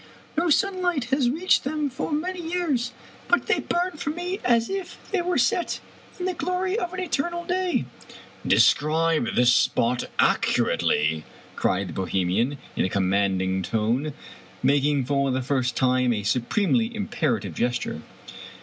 No sunlight has reached them for many years, but they bum for me as if they were set in the glory of an eternal day 1 "" Describe the spot accurately !" cried the Bohemian, in a commanding tone, making for the first time a supremely imperative gesture.